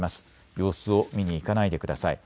様子を見に行かないでください。